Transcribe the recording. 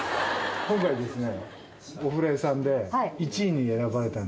今回ですね。